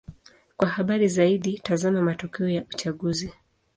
Kwa habari zaidi: tazama matokeo ya uchaguzi.